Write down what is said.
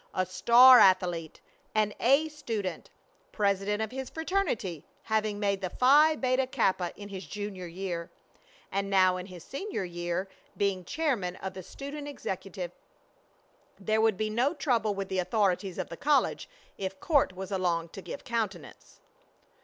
A star athlete, an A student, president of his fraternity, having made the Phi Beta Kappa in his junior year, and now in his senior year being chairman of the student exec. There would be no trouble with the authorities of the college if Court was along to give countenance.